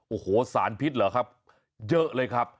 โอ้โหสารพิษเหรอครับเยอะเลยครับ